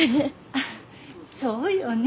あぁそうよね。